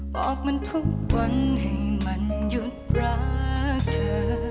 บอกมันทุกวันให้มันหยุดรักเธอ